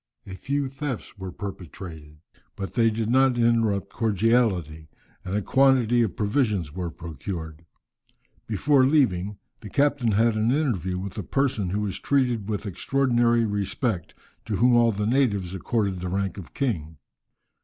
A few thefts were perpetrated, but they did not interrupt cordiality, and a quantity of provisions were procured. Before leaving, the captain had an interview with a person who was treated with extraordinary respect, to whom all the natives accorded the rank of king.